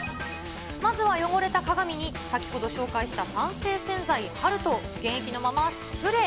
まずは汚れた鏡に先ほど紹介した酸性洗剤、ハルトを原液のままスプレー。